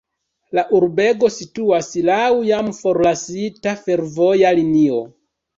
La urbego situas laŭ jam forlasita fervoja linio.